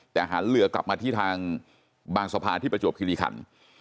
แต่หันเรือกลับมาที่ทางบางสะพานที่ประจวบคิริขัน